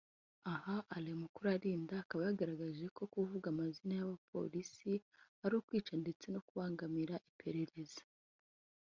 Aha Alain Mukurarinda akaba yagaragaje ko kuvuga amazina y’aba bapolisi ari ukwica ndetse no kubanagamira iperereza